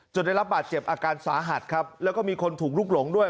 ได้รับบาดเจ็บอาการสาหัสครับแล้วก็มีคนถูกลุกหลงด้วย